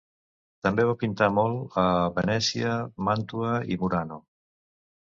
També va pintar molt a Venècia, Màntua i Murano.